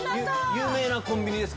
有名なコンビニですか？